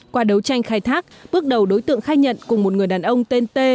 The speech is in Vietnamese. qua đấu tranh khai thác bước đầu đối tượng khai nhận cùng một người đàn ông tên t